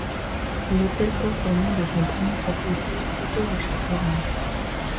L'hôtel porte le nom de son premier propriétaire, Otto Richard Goring.